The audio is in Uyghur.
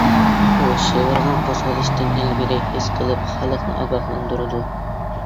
ئۇ شىۋىرغان قوزغىلىشتىن ئىلگىرى ھېس قىلىپ خەلقىنى ئاگاھلاندۇرىدۇ.